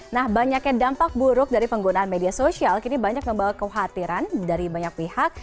nah banyaknya dampak buruk dari penggunaan media sosial kini banyak membawa kekhawatiran dari banyak pihak